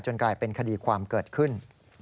กลายเป็นคดีความเกิดขึ้น